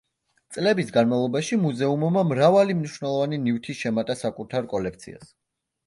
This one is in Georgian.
წლების განმავლობაში მუზეუმმა მრავალი მნიშვნელოვანი ნივთი შემატა საკუთარ კოლექციას.